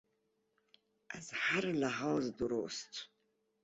از هر لحاظ درست